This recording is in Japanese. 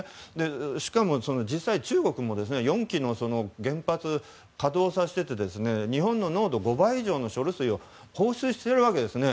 しかも、実際に中国も４基の原発を稼働させていて日本の濃度の５倍以上の処理水を放水しているわけですね。